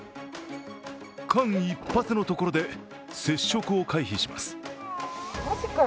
間一髪のところで、接触を回避します。